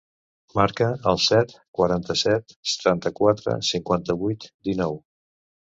Marca el set, quaranta-set, setanta-quatre, cinquanta-vuit, dinou.